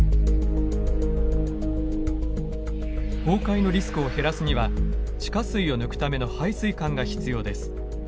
崩壊のリスクを減らすには地下水を抜くための排水管が必要です。